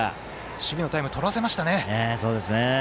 守備のタイムをとらせましたね。